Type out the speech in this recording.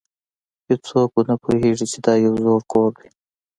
هیڅوک به نه پوهیږي چې دا یو زوړ کور دی